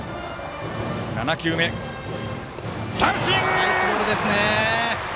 ナイスボールですね！